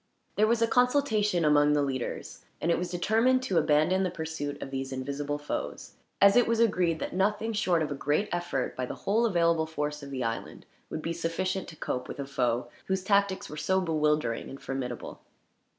There was a consultation among the leaders, and it was determined to abandon the pursuit of these invisible foes, as it was agreed that nothing, short of a great effort by the whole available force of the island, would be sufficient to cope with a foe whose tactics were so bewildering and formidable.